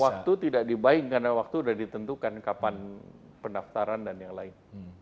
waktu tidak di buying karena waktu sudah ditentukan kapan pendaftaran dan yang lain